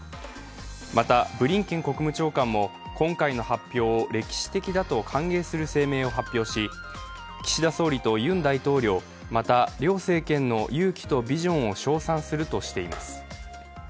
また、ブリンケン国務長官も今回の発表を歴史的だと歓迎する声明を発表し岸田総理とユン大統領、また両政権の勇気とビジョンを称賛するとしています。